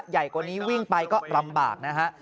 ใหญ่กว่านี้วิ่งไปก็ลำบากนะฮะ